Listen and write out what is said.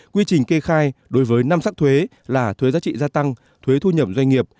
quy trình kê khai đối với năm sắc thuế là thuế giá trị gia tăng thuế thu nhập doanh nghiệp